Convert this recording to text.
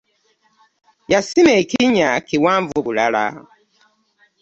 Yasima ekinnya kiwanvu bulala.